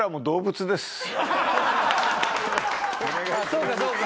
そうかそうか。